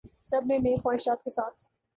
سب نے نیک خواہشات کے ساتھ